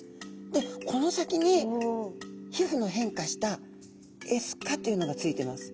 でこの先に皮膚の変化したエスカというのがついています。